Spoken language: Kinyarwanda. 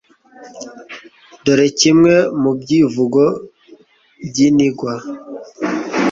dore kimwe mu byivugo by'iningwa